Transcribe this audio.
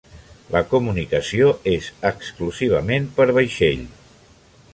La comunicació és exclusivament per vaixell.